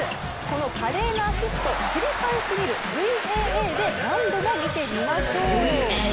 この華麗なアシスト、繰り返し見るＶＡＡで何度も見てみましょう。